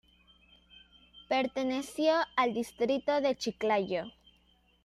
Perteneció al distrito de Chiclayo.